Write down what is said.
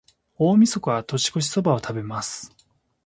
大晦日は、年越しそばを食べます。